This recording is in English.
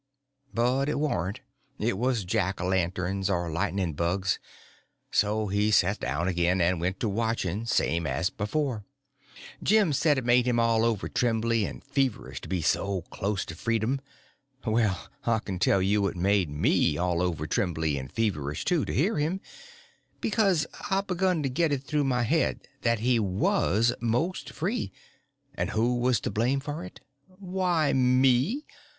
But it warn't. It was Jack o' lanterns, or lightning bugs; so he set down again, and went to watching, same as before. Jim said it made him all over trembly and feverish to be so close to freedom. Well, I can tell you it made me all over trembly and feverish, too, to hear him, because I begun to get it through my head that he was most free—and who was to blame for it? Why, me.